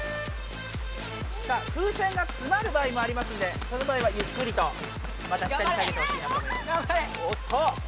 さあ風船がつまる場合もありますんでその場合はゆっくりとまた下にさげてほしいなと思います。